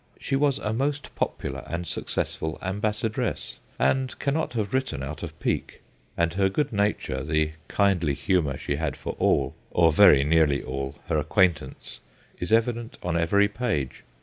She was a most popular and successful ambassadress, and cannot have written out of pique ; and her good nature, the kindly humour she had for all, or very nearly all, her acquaintance is evident on every page.